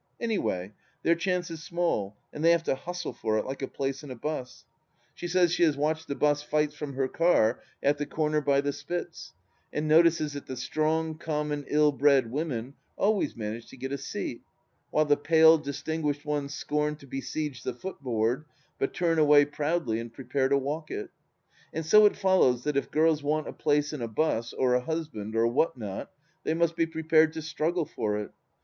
Any way, their chance is small and they have to hustle for it, like a place in a bus. She says she has THE LAST DITCH 285 watched the bus fights from her car, at the corner by the Spitz, and nptices that the strong, common, ill bred women always manage to get a seat, while the pale, distinguished ones scorn to besiege the footboard, but turn away proudly and prepare to walk it. And so it follows that if girls want a place in a bus, or a husband, or what not, they must be prepared to struggle for it.